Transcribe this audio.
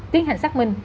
tiến hành xác minh